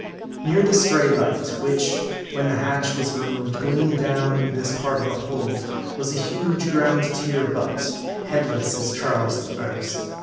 Near the stray light, which, when the hatch was removed, gleamed down into this part of the hold, was a huge ground tier butt, headless as Charles the First.